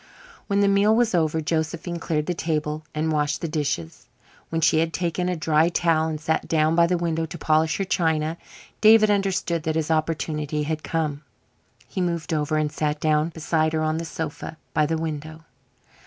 When the meal was over Josephine cleared the table and washed the dishes. When she had taken a dry towel and sat down by the window to polish her china David understood that his opportunity had come. He moved over and sat down beside her on the sofa by the window.